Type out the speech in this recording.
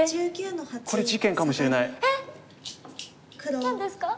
何ですか？